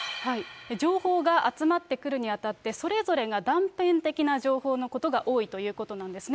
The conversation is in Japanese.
情報が集まってくるにあたって、それぞれが断片的な情報のことが多いということなんですね。